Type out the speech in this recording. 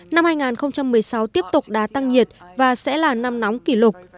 năm hai nghìn một mươi sáu tiếp tục đã tăng nhiệt và sẽ là năm nóng kỷ lục